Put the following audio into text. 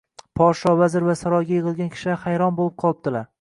Podsho, vazir va saroyga yig‘ilgan kishilar hayron bo‘lib qolibdilar